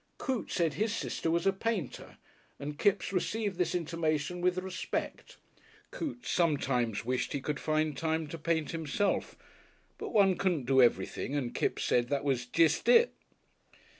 Coote said his sister was a painter and Kipps received this intimation with respect. Coote sometimes wished he could find time to paint himself, but one couldn't do everything and Kipps said that was "jest it."